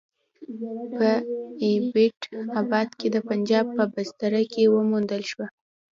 په ایبټ اباد کې د پنجاب په بستره کې وموندل شوه.